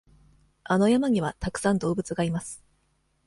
あの山にはたくさん動物がいます。